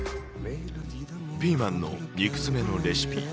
ピーマンの肉詰めのレシピ。